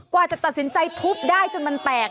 กว่าจะตัดสินใจทุบได้จนมันแตก